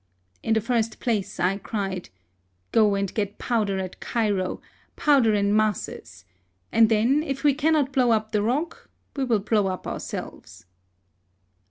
In the first place, I cried, Go and get powder at Cairo — powder in masSes — and then, if we cannot blow up the rock, we will blow up ourselves."